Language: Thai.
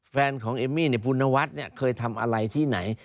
แฟนของเอมมี่ปุณวัฒน์เคยทำอะไรที่ไหน